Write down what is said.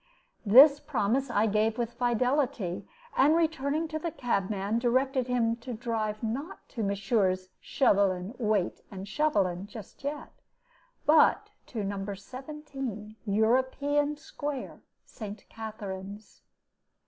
This promise I gave with fidelity, and returning to the cabman, directed him to drive not to Messrs. Shovelin, Wayte, and Shovelin just yet, but to No. 17 European Square, St. Katharine's.